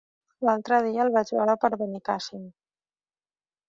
L'altre dia el vaig veure per Benicàssim.